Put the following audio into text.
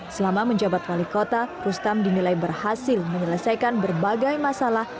selama menjabat wali kota rustam dinilai berhasil menyelesaikan berbagai masalah